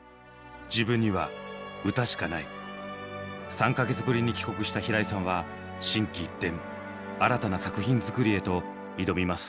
３か月ぶりに帰国した平井さんは心機一転新たな作品作りへと挑みます。